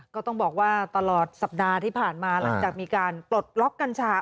ก็ต้องบอกว่าตลอดสัปดาห์ที่ผ่านมาหลังจากมีการปลดล็อกกัญชา